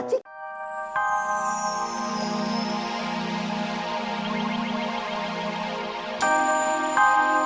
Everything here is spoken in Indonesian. aku tinggal meracik